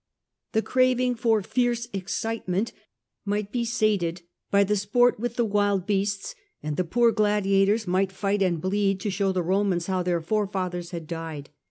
The craving for fierce excitement might be sated by the sport with the wild beasts, and the poor gladiators might fight and bleed to show the Romans how their forefathers had died.